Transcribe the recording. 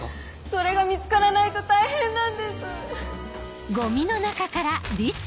それが見つからないと大変なんです。